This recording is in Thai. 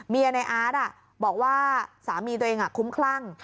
ในอาร์ตบอกว่าสามีตัวเองคุ้มคลั่ง